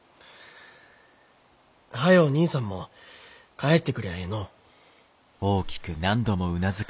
早う兄さんも帰ってくりゃあええのう。